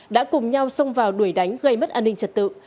đã cùng nhau xông vào đuổi đánh gây mất an ninh trật tự